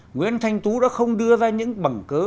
nguyễn thanh tú đã không đưa ra những bằng cớ